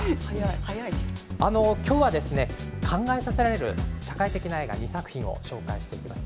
今日は考えさせられる社会的な映画２作品をご紹介します。